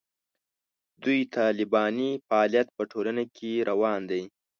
دوی طالباني فعالیت په ټولنه کې روان دی.